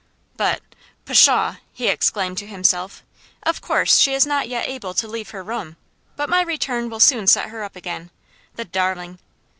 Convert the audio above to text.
But, "Pshaw!" he exclaimed to himself, "of course she is not yet able to leave her room; but my return will soon set her up again the darling!